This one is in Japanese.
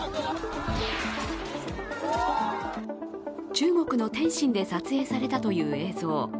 中国の天津で撮影されたという映像。